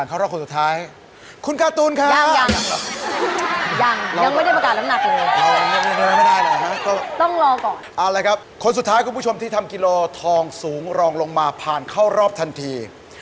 นอกจากคุณจะเป็นคนหน้าตาดีแล้วเนี่ย